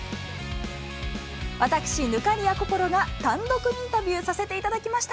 私、忽滑谷こころが単独インタビューさせていただきました。